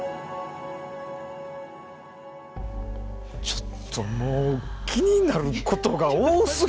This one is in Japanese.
ちょっともう気になることが多すぎて！